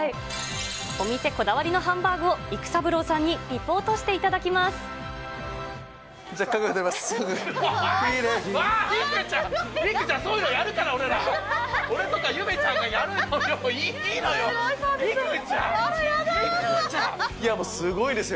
お店こだわりのハンバーグを育三郎さんにリポートしていただきま撮ります。